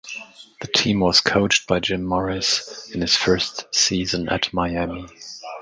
The team was coached by Jim Morris in his first season at Miami.